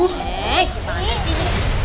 hei mana sih